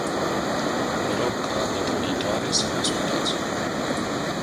Vă rog ca, data viitoare, să ne ascultați.